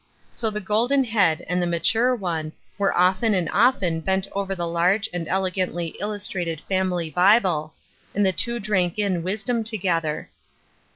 So the golden head and the mature one were often and often bent over the large and elegantly illustrated family Bible, and the two drank in wisdom together.